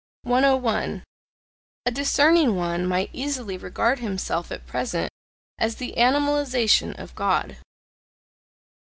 101. A discerning one might easily regard himself at present as the animalization of God.